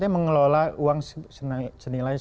mengelola uang senilai